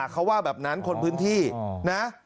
เขาว่าแบบนั้นคนพื้นที่นะ